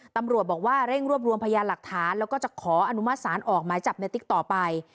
ตำรวจบอกว่าเร่งรวบรวมพยานหลักฐานแล้วก็จะขออนุมัติศาลออกหมายจับในติ๊กต่อไป